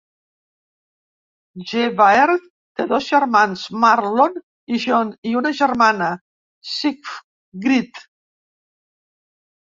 Gevaert té dos germans, Marlon i John, i una germana, Sigrid.